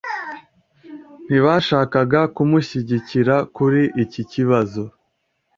Ntibashakaga kumushyigikira kuri iki kibazo.